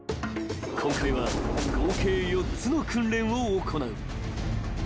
［今回は合計４つの訓練を行う］